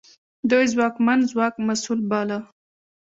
دوی واکمن ځواک مسوول باله.